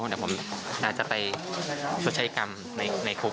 เดี๋ยวผมอาจจะไปชดใช้กรรมในคุก